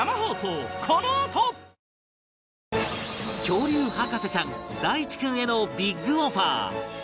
恐竜博士ちゃん大智君へのビッグオファー！